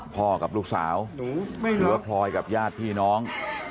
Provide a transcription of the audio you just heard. พ่อกับลูกสาวเพราะพลอยกับญาติพี่น้อง